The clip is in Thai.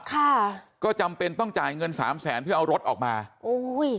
ค่ะก็จำเป็นต้องจ่ายเงินสามแสนเพื่อเอารถออกมาโอ้ย